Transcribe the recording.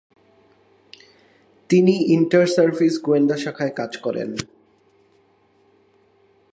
তিনি inter service গোয়েন্দা শাখায় কাজ করেন।